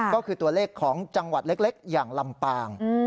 ก็คือตัวเลขของจังหวัดเล็กอย่างลำปาง